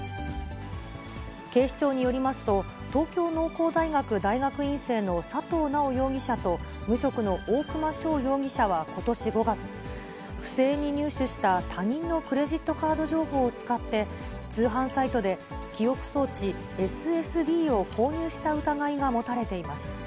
警視庁によりますと、東京農工大学大学院生の佐藤直容疑者と、無職の大熊翔容疑者はことし５月、不正に入手した他人のクレジットカード情報を使って、通販サイトで記憶装置、ＳＳＤを購入した疑いが持たれています。